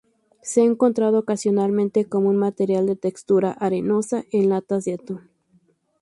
Se ha encontrado ocasionalmente como un material de textura arenosa en latas de atún.